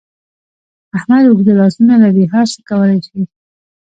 احمد اوږده لاسونه لري؛ هر څه کولای شي.